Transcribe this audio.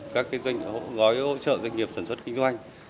các gói hỗ trợ doanh nghiệp sản xuất kinh doanh